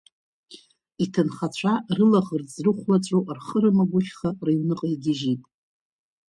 Иҭынхацәа рылаӷырӡрыхәлаҵәо, рхы рымгәахьха рыҩныҟа игьежьит.